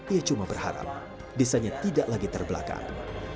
ia cuma berharap desanya tidak lagi terbelakang